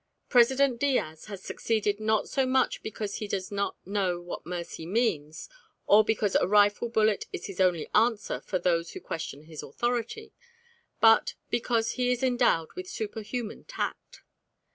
President Diaz has succeeded not so much because he does not know what mercy means or because a rifle bullet is his only answer for those who question his authority, but because he is endowed with superhuman tact.